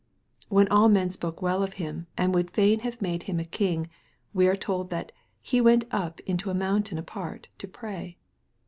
When all men spoke well of Him, and would fain have made Him a King, we are told that " He went up into a mountain apart to pray."